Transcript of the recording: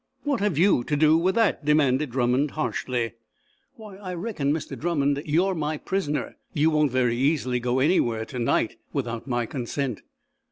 "What have you to do with that?" demanded Drummond, harshly. "Why, I reckon, Mr. Drummond, you're my prisoner. You won't very easily go anywhere to night, without my consent."